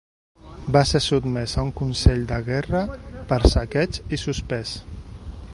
Va ser sotmès a un consell de guerra per saqueig i suspès.